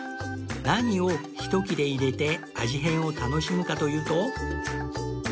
何を一切れ入れて味変を楽しむかというと